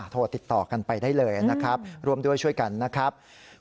โทรติดต่อกันไปได้เลยนะครับร่วมด้วยช่วยกันนะครับ